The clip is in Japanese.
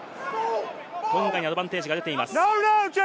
トンガにアドバンテージが出ています。